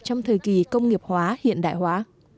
trong thời kỳ công nghiệp hóa hiện đại hóa